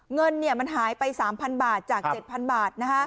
เงินเนี่ยมันหายไป๓๐๐๐บาทจาก๗๐๐๐บาทนะฮะ